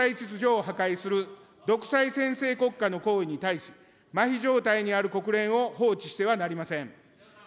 国際秩序を破壊する独裁専制国家の行為に対し、まひ状態にある国連を放置してはなりません。